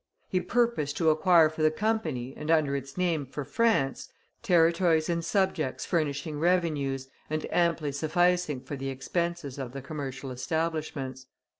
He purposed to acquire for the Company, and, under its name, for France, territories and subjects furnishing revenues, and amply sufficing for the expenses of the commercial establishments.